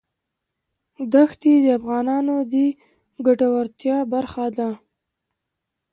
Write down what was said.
دښتې د افغانانو د ګټورتیا برخه ده.